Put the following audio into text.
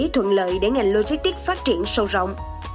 thuận lợi để ngành logistics phát triển sâu rộng